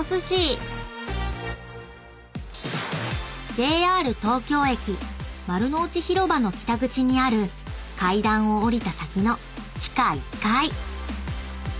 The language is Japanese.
［ＪＲ東京駅丸の内広場の北口にある階段を下りた先の地下１階］